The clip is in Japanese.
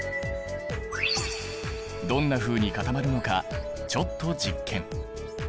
どんなふうに固まるのかちょっと実験。